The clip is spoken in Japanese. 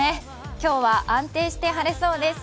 今日は安定して晴れそうです。